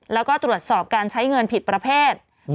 แล้วก็ตรวจสอบการใช้เงินผิดประเภท